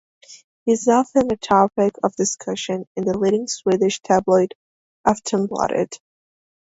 He is often a topic of discussion in the leading Swedish tabloid "Aftonbladet".